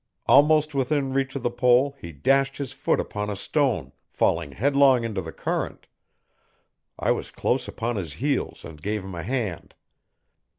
Almost within reach of the pole he dashed his foot upon a stone, falling headlong in the current. I was close upon his heels and gave him a hand.